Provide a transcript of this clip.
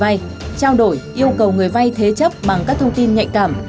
trả lời vay trao đổi yêu cầu người vay thế chấp bằng các thông tin nhạy cảm